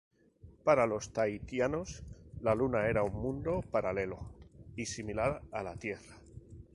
Para los tahitianos la Luna era un mundo paralelo y similar a la Tierra.